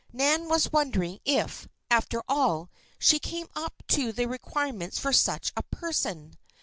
Nan was wondering if, after all, she came up to the requirements for such a person?